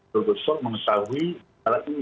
terus terus menyesalui hal ini